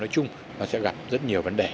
chung nó sẽ gặp rất nhiều vấn đề